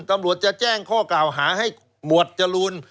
ตำรวจจะแจ้งข้อกล่าวหาให้หมวดจรูน